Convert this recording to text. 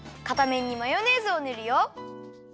かためんにマヨネーズをぬるよ。